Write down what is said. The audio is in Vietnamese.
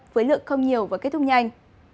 với lượng không nhiều và kết thúc nhanh